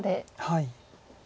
はい。